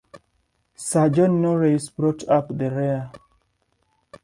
Sir John Norreys brought up the rear.